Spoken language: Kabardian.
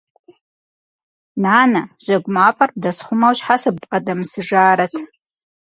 Нанэ, жьэгу мафӀэр бдэсхъумэу щхьэ сыббгъэдэмысыжарэт?!